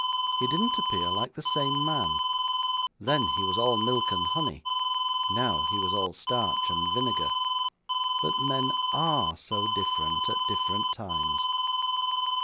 He didn't appear like the same man; then he was all milk and honey; now he was all starch and vinegar. But men ARE so different at different times!